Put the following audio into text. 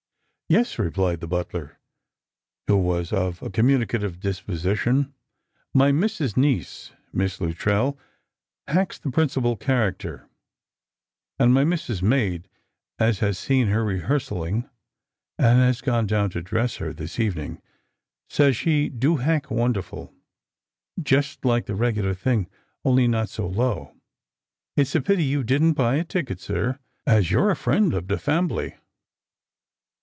" Yes, replied the butler, who was of a communicative dispo sition; "my missus's niece, Miss Luttrell, hacks the principal character; and my missus's maid, as has seen her rehearsalling, and has gone down to dress her this evening, says she do hack wonderful, jest like the regular thing, only not so low. It's a pity you didn't buy a ticket, sir, as you're a friend of the fambly."